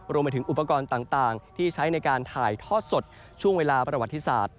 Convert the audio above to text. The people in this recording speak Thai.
รวมไปถึงอุปกรณ์ต่างที่ใช้ในการถ่ายทอดสดช่วงเวลาประวัติศาสตร์